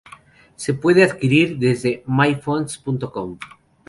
Se puede adquirir desde MyFonts.com.